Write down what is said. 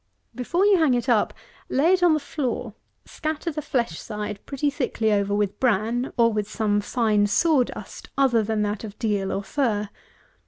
Before you hang it up, lay it on the floor, scatter the flesh side pretty thickly over with bran, or with some fine saw dust other than that of deal or fir.